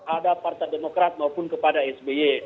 ada partai demokrat maupun kepada sby